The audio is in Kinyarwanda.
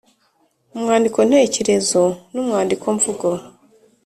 umwandiko ntekerezo n’umwandiko mvugo